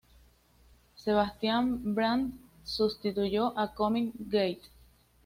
Sebastian Brandt sustituyó a Cosmic Gate.